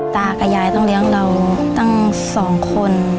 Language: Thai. ตากับยายต้องเลี้ยงเราตั้ง๒คน